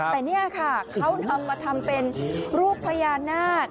แต่เนี่ยค่ะเขาทำเป็นรูปพญานาศ